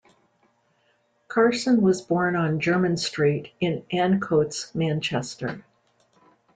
Carson was born on German Street in Ancoats, Manchester.